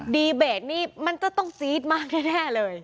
ดีเบตนี่มันจะต้องซี๊ดมากแน่เลย